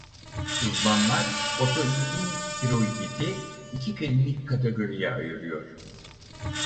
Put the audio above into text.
Uzmanlar otoimmün tiroiditi iki klinik kategoriye ayırıyor.